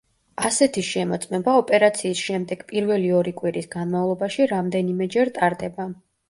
ასეთი შემოწმება ოპერაციის შემდეგ პირველი ორი კვირის განმავლობაში რამდენიმეჯერ ტარდება.